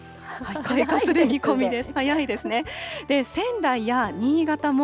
開花する見込みです。